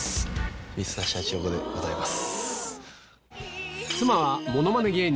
Ｍｒ．シャチホコでございます。